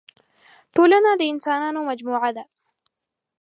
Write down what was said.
ټولنه د اسانانو مجموعه ده.